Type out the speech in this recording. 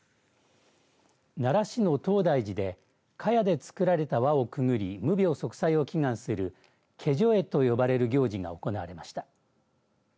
奈良市の東大寺でかやで作られた輪をくぐり無病息災を祈願する解除会と呼ばれる行事が行われました。